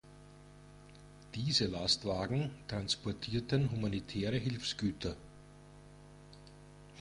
Diese Lastwagen transportierten humanitäre Hilfsgüter.